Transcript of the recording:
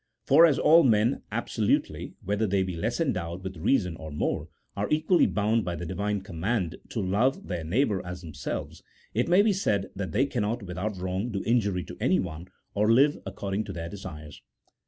For as all men abso lutely (whether they be less endowed with reason or more) are equally bound by the Divine command to love their neighbour as themselves, it may be said that they cannot, without wrong, do injury to anyone, or live according to their desires.